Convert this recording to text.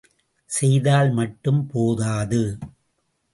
செய்தால் மட்டும் போதாது.